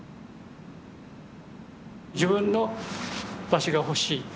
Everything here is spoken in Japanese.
自分の場所が欲しい。